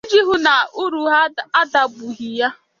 iji hụ na ụrụhụ adabughị ya